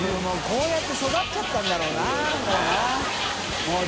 發こうやって育っちゃったんだろうなもうな。